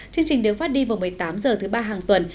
chương trình được phát đi vào một mươi tám h thứ ba hàng tuần